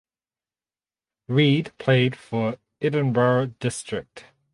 Reid played for Edinburgh District.